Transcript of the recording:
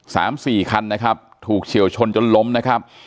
สามสี่คันนะครับถูกเฉียวชนจนล้มนะครับ